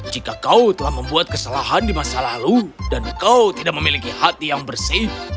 jika kau telah membuat kesalahan di masa lalu dan kau tidak memiliki hati yang bersih